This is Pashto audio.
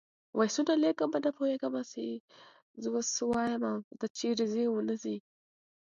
آريا د آرمل لور ده.